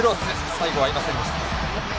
最後は合いませんでした。